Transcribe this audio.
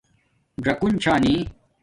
ژکُن چھانݵ